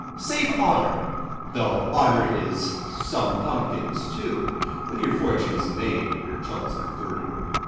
Save honor. Though honor is "some pumpkins" too. When your fortune is made and your troubles are through.